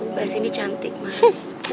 mbak sindi cantik mas